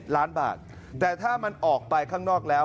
ล้านบาทแต่ถ้ามันออกไปข้างนอกแล้ว